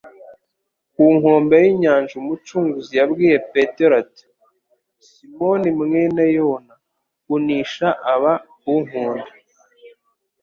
ku nkombe y'inyanja Umucunguzi yabwiye Petero ati : "Simoni mwene Yona unisha aba kunkunda?"